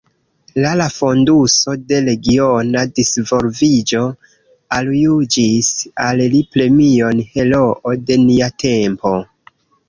La la Fonduso de Regiona Disvolviĝo aljuĝis al li premion «Heroo de nia tempo».